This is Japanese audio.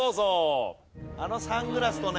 あのサングラスとね。